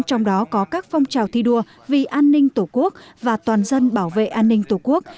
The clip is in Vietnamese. trong đó có các phong trào thi đua vì an ninh tổ quốc và toàn dân bảo vệ an ninh tổ quốc